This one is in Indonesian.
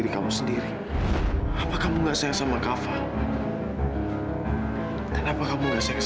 kamu masih ingat aku kan